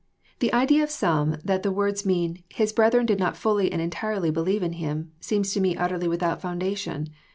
The idea of some that the words mean, His brethren did not ftilly and entirely believe in Him," seems to me utterly without foundation.